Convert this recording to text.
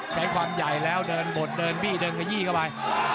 ใช้ความใหญ่แล้วเดินบดเดินบี้เดินขยี้เข้าไป